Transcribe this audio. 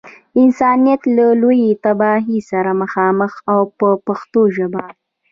انسانیت له لویې تباهۍ سره مخامخ و په پښتو ژبه.